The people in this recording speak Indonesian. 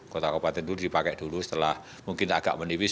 kota kabupaten itu dipakai dulu setelah mungkin agak menipis